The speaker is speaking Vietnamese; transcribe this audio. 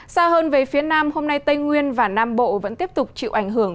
xa hơn về phía nam hôm nay tây nguyên và nam bộ vẫn tiếp tục chịu ảnh hưởng